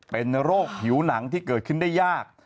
เป็นโรคผิวหนังที่เกิดขึ้นได้ยาก